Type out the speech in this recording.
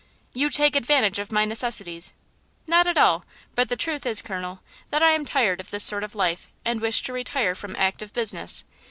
"You take advantage of my necessities." "Not at all; but the truth is, Colonel, that I am tired of this sort of life, and wish to retire from active business.